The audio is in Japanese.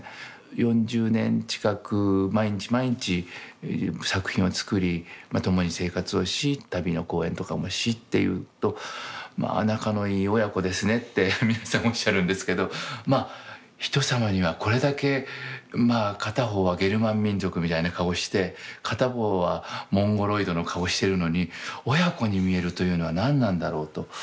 ４０年近く毎日毎日作品を作り共に生活をし旅の公演とかもしっていうと「まあ仲のいい親子ですね」って皆さんおっしゃるんですけどまあひとさまにはこれだけ片方はゲルマン民族みたいな顔をして片方はモンゴロイドの顔をしてるのに親子に見えるというのは何なんだろうと。